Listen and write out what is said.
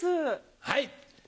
はい。